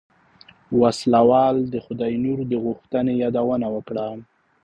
وسله وال د خداينور د غوښتنې يادونه وکړه.